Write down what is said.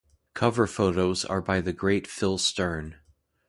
Cover photos are by the great Phil Stern.